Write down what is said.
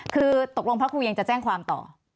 คือตกลงพระครูยังจะแจ้งความต่อ